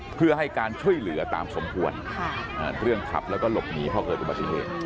เพื่อให้การช่วยเหลือตามสมควรเรื่องขับแล้วก็หลบหนีเพราะเกิดอุบัติเหตุ